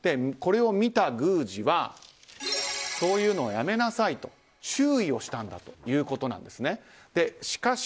これを見た宮司はそういうのはやめなさいと注意をしたんだということです。